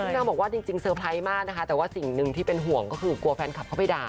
นางบอกว่าจริงเซอร์ไพรส์มากนะคะแต่ว่าสิ่งหนึ่งที่เป็นห่วงก็คือกลัวแฟนคลับเข้าไปด่า